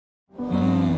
うん。